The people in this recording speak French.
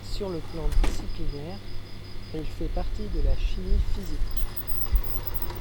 Sur le plan disciplinaire, elle fait partie de la chimie physique.